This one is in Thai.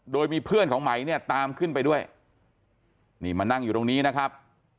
โดยมีเพื่อนของไหมเนี่ยตามขึ้นไปด้วยนี่มานั่งอยู่ตรงนี้นะครับ